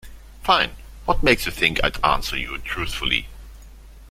Fine, what makes you think I'd answer you truthfully?